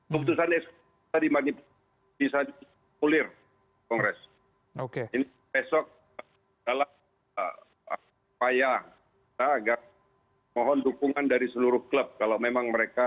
pakai hang kagak mohon dukungan dari seluruh klub kalau memang mereka